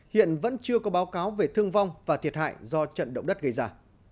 hiện vẫn chưa có báo cáo về thương vong và thiệt hại do trận động đất gây ra